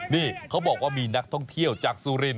นี่เขาบอกว่ามีนักท่องเที่ยวจากสุรินท